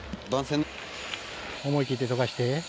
思い切って溶かして。